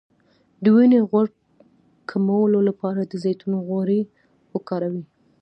د وینې غوړ کمولو لپاره د زیتون غوړي وکاروئ